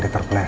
lo udah pulang